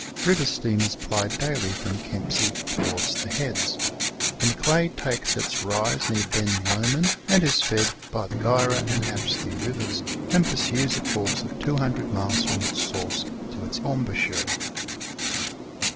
River steamers ply daily from Kempsey towards the heads. The Macleay takes its rise near Ben Lomond, and is fed by the G yra and Apsley Rivers, and pursues a course of 200 miles from its source to its embouchure.